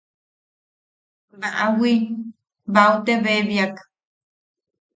Baawi, bau te bebiak.